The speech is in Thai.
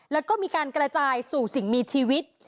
แล้วก็มีการกระจายสู่สิ่งมีชีวิต